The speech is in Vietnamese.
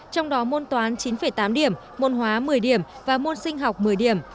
trong đó môn toán chín tám điểm môn hóa một mươi điểm và môn sinh học một mươi điểm